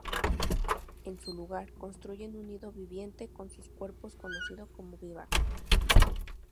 En su lugar construyen un nido viviente con sus cuerpos, conocido como vivac.